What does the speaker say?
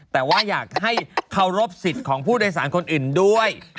แต่ว่าอยากให้เคารพสิทธิ์ของผู้โดยสารคนอื่นด้วย